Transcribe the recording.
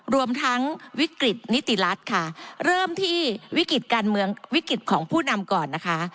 รวมทั้งวิกฤตนิติรัฐค่ะเริ่มที่วิกฤติการเมืองวิกฤตของผู้นำก่อนนะคะ